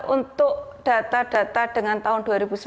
untuk data data dengan tahun dua ribu sepuluh